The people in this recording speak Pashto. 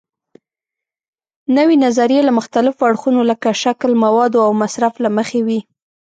نوې نظریې له مختلفو اړخونو لکه شکل، موادو او مصرف له مخې وي.